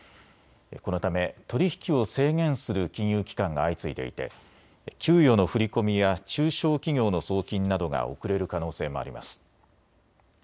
このため取り引きを制限する金融機関が相次いでいて給与の振り込みや中小企業の送金などが遅れる可能性もあります。